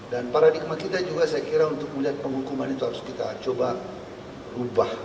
dan paradigma kita juga saya kira untuk melihat penghukuman itu harus kita coba ubah